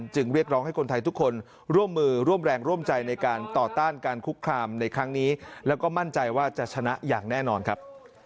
เรียกร้องให้คนไทยทุกคนร่วมมือร่วมแรงร่วมใจในการต่อต้านการคุกคามในครั้งนี้แล้วก็มั่นใจว่าจะชนะอย่างแน่นอนครับ